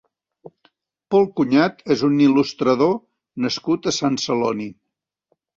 Pol Cunyat és un il·lustrador nascut a Sant Celoni.